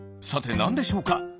さてなんでしょうか？